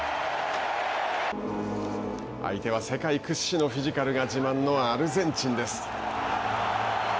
相手は世界屈指のフィジカルが自慢のアルゼンチンです。